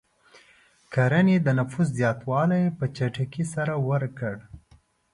کرنې د نفوس زیاتوالی په چټکۍ سره ورکړ.